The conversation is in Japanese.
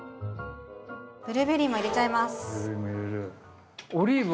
ブルーベリーも入れちゃいます。